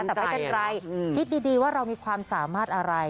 แต่ไม่เป็นไรคิดดีว่าเรามีความสามารถอะไร